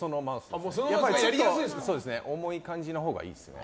ちょっと重い感じのほうがいいですね。